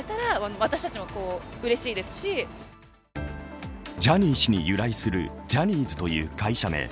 街の人はジャニー氏に由来するジャニーズという会社名。